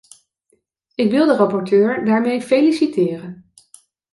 Ik wil de rapporteur daarmee feliciteren.